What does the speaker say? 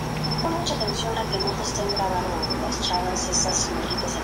Es superior a la Orden del Níger.